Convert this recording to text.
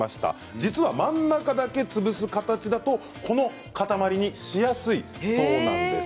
実は真ん中だけ潰す形だとこの塊にしやすいそうなんです。